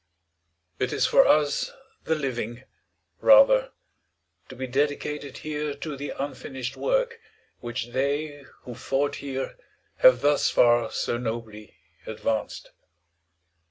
It is for us the living, rather, to be dedicated here to the unfinished work which they who fought here have thus far so nobly advanced.